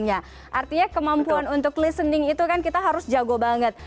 artinya kemampuan untuk listening itu kan kita harus jago banget